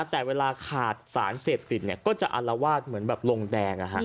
แต่เวลาขาดสารเสพติดก็จะอารวาสเหมือนแบบลงแดง